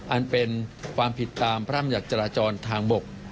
อันเป็นความผิดตามพระรำยัติจราจรทางบก